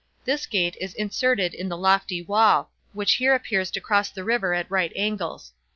This gate is inserted in the lofty wall; which here appears to cross the river at right angles.